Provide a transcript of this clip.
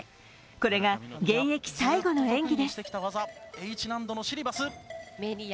これが現役最後の演技です。